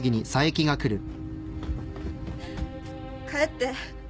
帰って